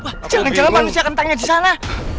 wah jangan jalan manusia kentangnya disana